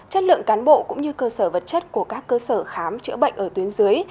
chất lượng cán bộ cũng như cơ sở vật chất của các cơ sở khám chữa bệnh ở tuyến dưới